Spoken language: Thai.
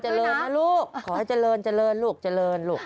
ขอให้เจริญเจริญนะลูกขอให้เจริญเจริญลูกเจริญลูก